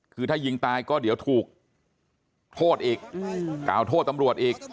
คือถ้ายิงตายก็เดี๋ยวถูกโทษอีกกล่าวโทษตำรวจอีก